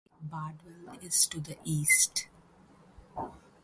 Lake Bardwell is to the east.